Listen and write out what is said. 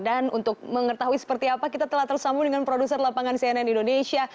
dan untuk mengetahui seperti apa kita telah tersambung dengan produser lapangan cnn indonesia